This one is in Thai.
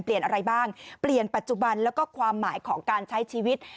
เปลี่ยนปัจจุบันและก็ความหมายของการใช้ชีวิต